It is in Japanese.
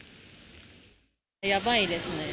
やばいですね。